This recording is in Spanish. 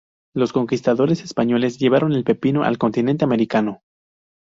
Los conquistadores españoles llevaron el pepino al continente americano.